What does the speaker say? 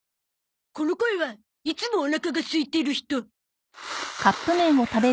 この声はいつもおなかがすいてる人。